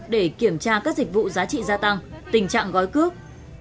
để kiểm tra các dịch vụ giá trị gia tăng tình trạng gói cước